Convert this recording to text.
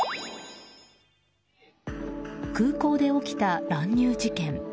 空港で起きた乱入事件。